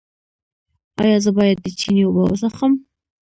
ایا زه باید د چینې اوبه وڅښم؟